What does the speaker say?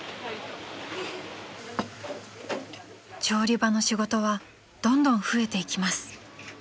［調理場の仕事はどんどん増えていきます］